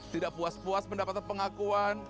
tidak puas puas mendapatkan pengakuan